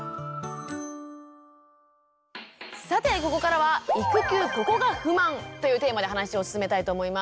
さてここからは「育休・ここが不満！」というテーマで話を進めたいと思います。